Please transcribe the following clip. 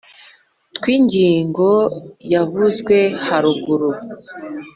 twi ngingo yavuzwe haruguru,